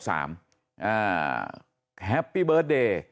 แฮปปี้เบิร์ตเดย์